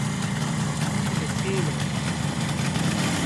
Plijet-kenañ on.